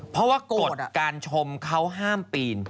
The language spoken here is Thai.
เพราะว่ากฎการชมเขาห้ามปีน